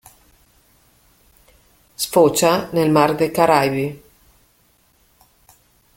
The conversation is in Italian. Sfocia nel mar dei Caraibi.